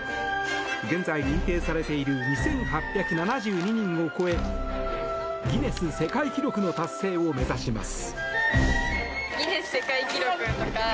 現在認定されている２８７２人を超えギネス世界記録の達成を目指します。